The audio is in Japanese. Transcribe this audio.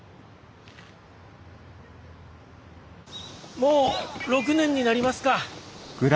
もう６年になりますか。